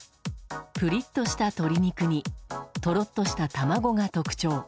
ぷりっとした鶏肉にとろっとした卵が特徴。